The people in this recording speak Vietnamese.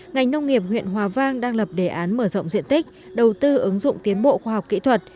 ngành nông nghiệp huyện hòa vang đang lập đề án mở rộng diện tích đầu tư ứng dụng tiến bộ khoa học kỹ thuật